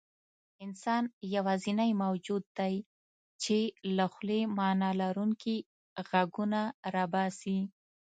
انسان یواځینی موجود دی، چې له خولې معنیلرونکي غږونه راباسي.